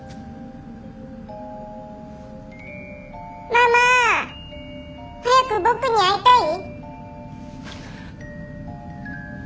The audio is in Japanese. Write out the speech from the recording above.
「ママ早く僕に会いたい？」。